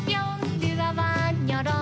「ドュワワンニョロ！」